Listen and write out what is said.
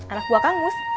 anak buah kangmus